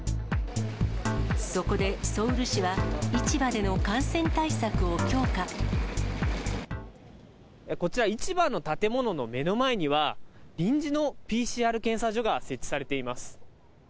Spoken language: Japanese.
そこでソウル市は、こちら市場の建物の目の前には、臨時のＰＣＲ検査所が設置されています。